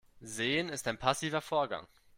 Sehen ist ein passiver Vorgang.